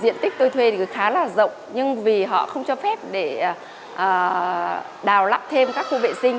diện tích tôi thuê thì khá là rộng nhưng vì họ không cho phép để đào lắp thêm các khu vệ sinh